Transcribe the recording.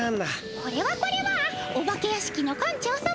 これはこれはお化け屋敷の館長様。